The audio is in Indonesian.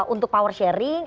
untuk power sharing